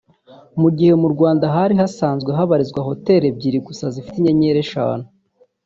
Mu gihe mu Rwanda hari hasanzwe habarizwa hoteli ebyiri gusa zifite inyenyeri eshanu